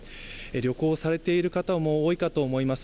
旅行されている方も多いかと思います。